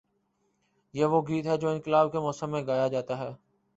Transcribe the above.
یہ وہ گیت ہے جو انقلاب کے موسم میں گایا جاتا ہے۔